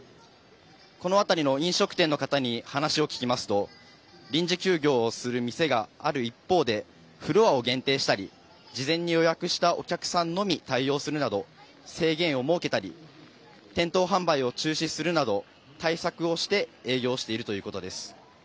この辺りの飲食店の方に話を聞きますと、臨時休業をする店がある一方で、フロアを限定したり、事前に予約したお客さんのみ対応するなど制限を設けたり、店頭販売を中止するなど、対策をして営業しているということです。